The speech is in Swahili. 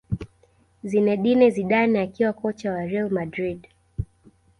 zinedine zidane akiwa kocha wa real madrid